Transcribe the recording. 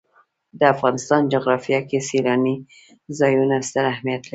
د افغانستان جغرافیه کې سیلانی ځایونه ستر اهمیت لري.